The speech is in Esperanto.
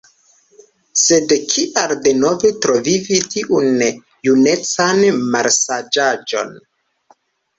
Sed kial denove travivi tiun junecan malsaĝaĵon?